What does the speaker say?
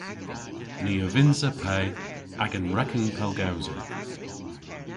Ni a vynnsa pe agan reken pellgowser.